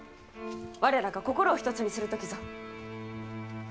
我らが心を一つにする時ぞ。